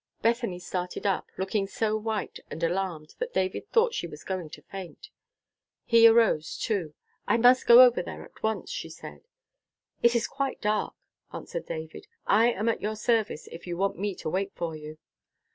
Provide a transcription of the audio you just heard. Bethany started up, looking so white and alarmed that David thought she was going to faint. He arose, too. "I must go over there at once," she said. "It is quite dark," answered David. "I am at your service, if you want me to wait for you."